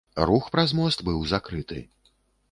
Рух праз мост быў закрыты.